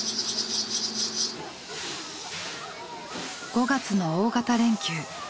５月の大型連休。